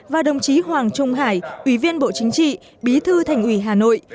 và đồng chí hoàng trung hải ủy viên bộ chính trị bí thư thành ủy hà nội